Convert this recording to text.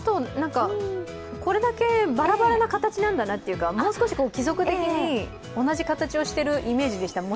これだけバラバラな形なんだなというか、もう少し規則的に同じ形をしているイメージでした。